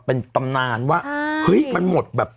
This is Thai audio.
เป็นตำนานว่าเฮ้ยมันหมดแบบ